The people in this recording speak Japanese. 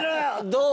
どう？